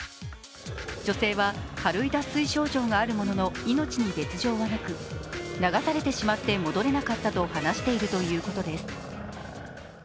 女性は軽い脱水症状があるものの命に別状はなく流されてしまって戻れなかったと話しているということです。